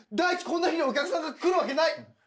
こんな日にお客さんが来るわけない。